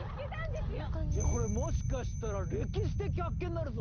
いやこれもしかしたら歴史的発見になるぞ。